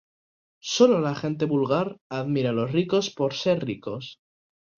Sólo la gente vulgar admira a los ricos por ser ricos".